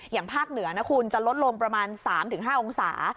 อย่างภาคเหนือนะคุณจะลดลงประมาณสามถึงห้าองศา